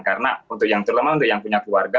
karena untuk yang terlemah untuk yang punya keluarga